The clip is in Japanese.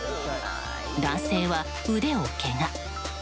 男性は腕をけが。